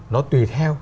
nó tùy theo